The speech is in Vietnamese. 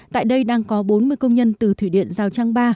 tại đây đang có bốn mươi công nhân từ thủy điện giao trang ba